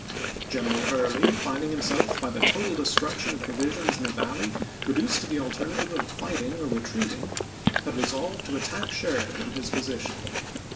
General Early, finding himself by the total de struction of provisions in the Valley reduced to the alternative of fighting or retreating, had resolved to attack Sheridan in his position.